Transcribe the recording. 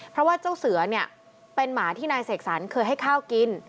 เพราะว่าเจ้าเสือเนี่ยเป็นหมาที่นายเสกสรรเคยให้ข้าวกิน